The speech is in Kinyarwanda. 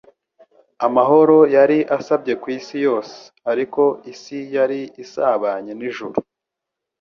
Amahoro yari asabye ku isi yose, ariko isi yari isabanye n'ijuru.